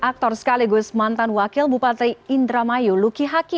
aktor sekaligus mantan wakil bupati indramayu luki hakim